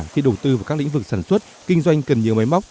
khi đầu tư vào các lĩnh vực sản xuất kinh doanh cần nhiều máy móc